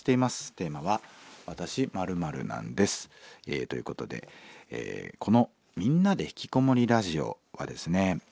テーマは「わたし○○なんです」ということでこの「みんなでひきこもりラジオ」はですね